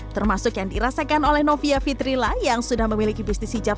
termasuk yang dirasakan oleh novia fitrila yang sudah memiliki bisnis hijab